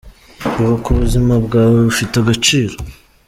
Ibuka ko ubuzima bwawe bufite agaciro:.